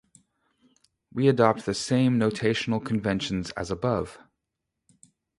We adopt the same notational conventions as above.